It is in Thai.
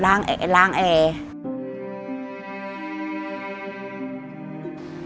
หลังจากน้องเบสทำงานหลังจากน้องเบสทำงาน